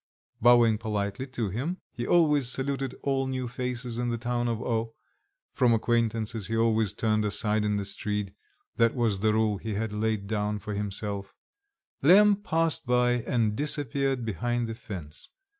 Bowing politely to him (he always saluted all new faces in the town of O ; from acquaintances he always turned aside in the street that was the rule he had laid down for himself), Lemm passed by and disappeared behind the fence.